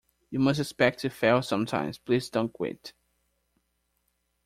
You must expect to fail sometimes; please don't quit.